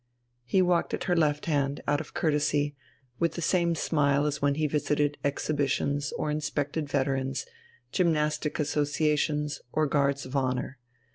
He walked at her left hand, out of courtesy, with the same smile as when he visited exhibitions or inspected veterans, gymnastic associations, or guards of honour.